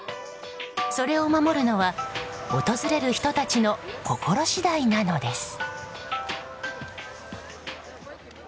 それを守るのは訪れる人たちの心次第なのです。